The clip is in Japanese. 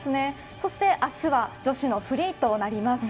そして明日は女子のフリーとなります。